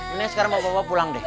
ini sekarang mau bapak pulang deh